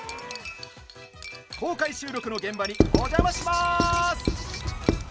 公開収録の現場にお邪魔します。